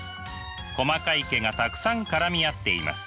細かい毛がたくさん絡み合っています。